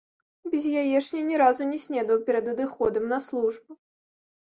Без яечні ні разу не снедаў перад адыходам на службу.